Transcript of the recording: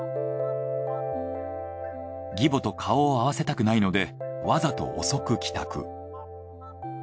「義母と顔を合わせたくないのでわざと遅く帰宅」。